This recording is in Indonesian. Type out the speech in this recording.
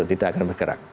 tidak akan bergerak